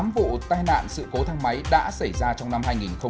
tám vụ tai nạn sự cố thăng máy đã xảy ra trong năm hai nghìn hai mươi